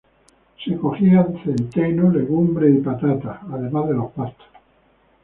Se cogía centeno, legumbres y patatas, además de los pastos.